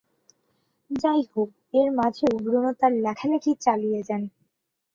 যাই হোক, এর মাঝেও ব্রুনো তাঁর লেখালেখি চালিয়ে যান।